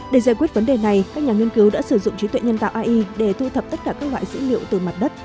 để giải quyết vấn đề này các nhà nghiên cứu đã sử dụng trí tuệ nhân tạo ai để thu thập tất cả các loại dữ liệu từ mặt đất